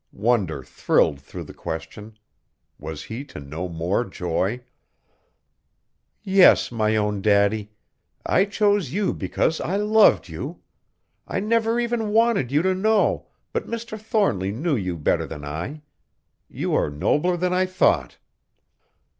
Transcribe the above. Wonder thrilled through the question. Was he to know more joy? "Yes, my own Daddy. I chose you because I loved you! I never even wanted you to know. But Mr. Thornly knew you better than I. You are nobler than I thought."